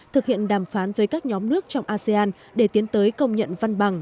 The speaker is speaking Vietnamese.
thực hiện đàm phán với các nhóm nước trong asean để tiến tới công nhận văn bằng